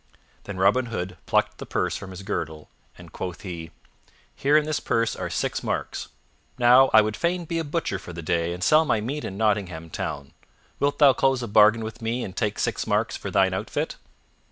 Then Robin Hood plucked the purse from his girdle, and quoth he, "Here in this purse are six marks. Now, I would fain be a butcher for the day and sell my meat in Nottingham Town. Wilt thou close a bargain with me and take six marks for thine outfit?"